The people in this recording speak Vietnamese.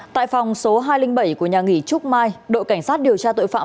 tại phòng số hai trăm linh bảy của nhà nghỉ trúc mai đội cảnh sát điều tra tội phạm